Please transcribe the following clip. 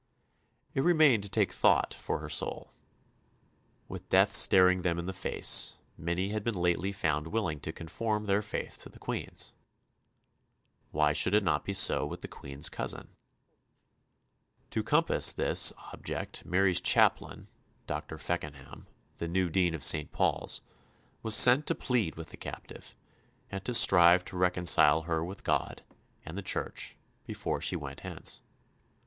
It remained to take thought for her soul. With death staring them in the face, many had been lately found willing to conform their faith to the Queen's. Why should it not be so with the Queen's cousin? To compass this object Mary's chaplain, Dr. Feckenham, the new Dean of St. Paul's, was sent to plead with the captive, and to strive to reconcile her with God and the Church before she went hence.